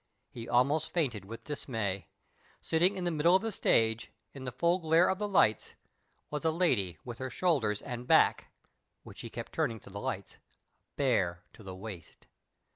He almost fainted with dismay. Standing in the middle of the stage, in the full glare of the lights, was a lady with her shoulders and back (which she kept turning to the lights) bare to the waist